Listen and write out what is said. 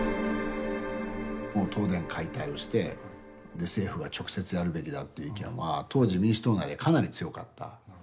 もう東電解体をして政府が直接やるべきだっていう意見は当時民主党内でかなり強かった。